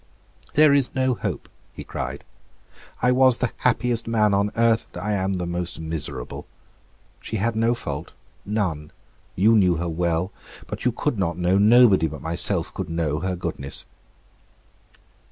"There is no hope," he cried. "I was the happiest man on earth; and I am the most miserable. She had no fault; none; you knew her well; but you could not know, nobody but myself could know, her goodness."